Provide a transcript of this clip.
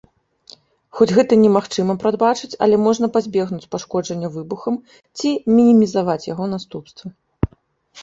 Хоць гэта немагчыма прадбачыць, але можна пазбегнуць пашкоджання выбухам ці мінімізаваць яго наступствы.